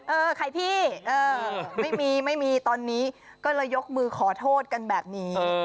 เออใครพี่เออไม่มีไม่มีตอนนี้ก็เลยยกมือขอโทษกันแบบนี้